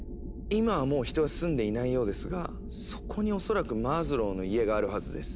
今はもう人は住んでいないようですがそこに恐らくマズローの家があるはずです。